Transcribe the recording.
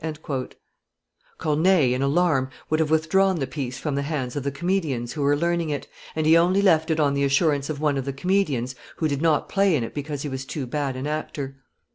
Corneille, in alarm, would have withdrawn the piece from the hands of the comedians who were learning it, and he only left it on the assurance of one of the comedians, who did not play in it because he was too bad an actor.